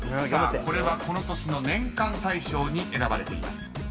［これはこの年の年間大賞に選ばれています］